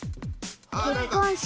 結婚式。